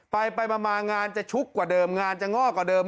ไปมางานจะชุกกว่าเดิมงานจะง่อกว่าเดิม